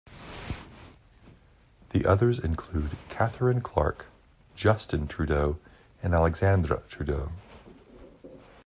The others include Catherine Clark, Justin Trudeau and Alexandre Trudeau.